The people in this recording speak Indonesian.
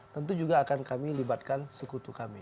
tentu juga akan kami libatkan sekutu kami